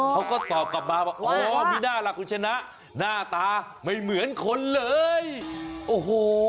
เขาก็ตอบกลับมาว่าอ๋อมีน่าล่ะคุณชนะหน้าตาไม่เหมือนคนเลยโอ้โห